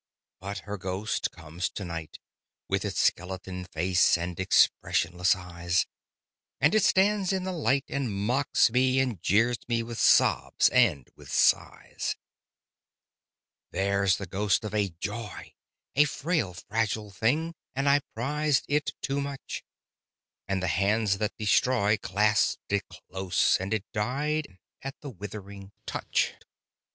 But her ghost comes to night, With its skeleton face and expressionless eyes, And it stands in the light, And mocks me, and jeers me with sobs and with sighs. There's the ghost of a Joy, A frail, fragile thing, and I prized it too much, And the hands that destroy Clasped it close, and it died at the withering touch.